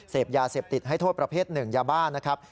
เสพยาเสพติดให้โทษประเภทหนึ่งยาบ้านะครับ